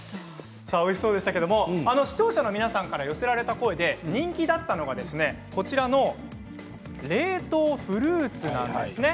おいしそうでしたけど視聴者の皆さんから寄せられた声で人気だったのがこちらの冷凍フルーツなんですね。